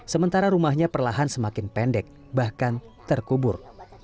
sementara rumahnya perlahan semakin pendek bahkan terkubur